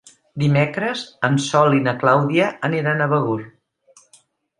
Dimecres en Sol i na Clàudia aniran a Begur.